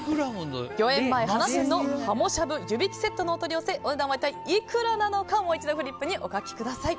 御苑前花膳のはもしゃぶ、湯引きセットのお取り寄せお値段は一体いくらなのかもう一度フリップにお書きください。